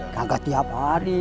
tidak setiap hari